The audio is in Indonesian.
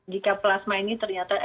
jika plasma ini ternyata